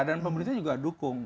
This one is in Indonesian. dan pemerintah juga dukung